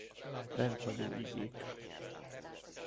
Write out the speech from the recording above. Rendhagyó igék.